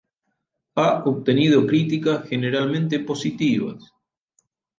Ha obtenido críticas generalmente positivas.